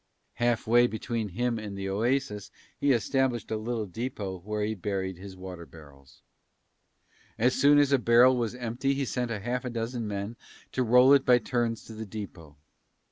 Half way between him and the oasis he established a little depot where he buried his water barrels. As soon as a barrel was empty he sent half a dozen men to roll it by turns to the depot.